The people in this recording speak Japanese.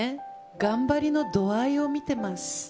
頑張りの度合いを見てます。